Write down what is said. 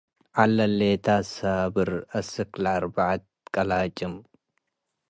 ዐለሌታት ሳብር አስክ አርበዐት ቀለጭም